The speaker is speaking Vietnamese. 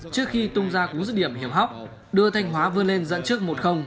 trước khi tung ra cúng dứt điểm hiệp hóc đưa thanh hóa vươn lên dẫn trước một